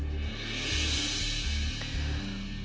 sampai jam retreat